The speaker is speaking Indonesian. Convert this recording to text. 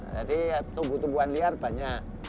jadi tumbuhan liar banyak